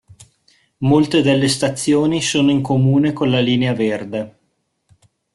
Molte delle stazioni sono in comune con la Linea Verde.